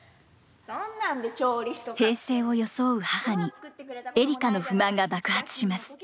平静を装う母にエリカの不満が爆発します。